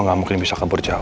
lo gak mungkin bisa kabur jauh